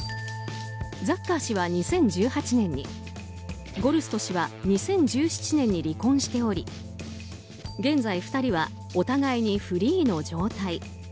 ザッカー氏は２０１８年にゴルスト氏は２０１７年に離婚しており現在、２人はお互いにフリーの状態。